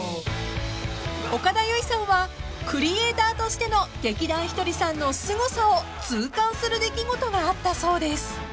［岡田結実さんはクリエーターとしての劇団ひとりさんのすごさを痛感する出来事があったそうです］